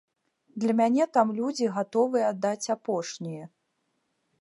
Для мяне там людзі гатовыя аддаць апошняе.